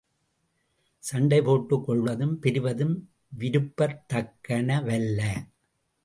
சண்டைபோட்டுக் கொள்வதும் பிரிவதும் விரும்பத்தக்கனவல்ல.